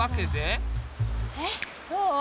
えっどう？